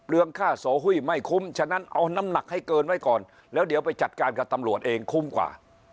ค่าโสหุ้ยไม่คุ้มฉะนั้นเอาน้ำหนักให้เกินไว้ก่อนแล้วเดี๋ยวไปจัดการกับตำรวจเองคุ้มกว่า